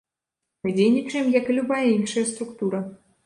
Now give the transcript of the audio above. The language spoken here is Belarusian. Мы дзейнічаем як і любая іншая структура.